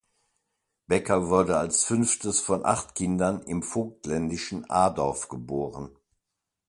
Becker wurde als fünftes von acht Kindern im vogtländischen Adorf geboren.